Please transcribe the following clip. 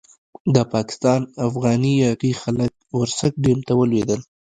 د پاکستان افغاني باغي خلک ورسک ډېم ته ولوېدل.